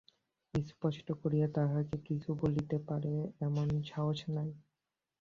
স্পষ্ট করিয়া তাহাকে কিছু বলিতে পারে এমন সাহস নাই।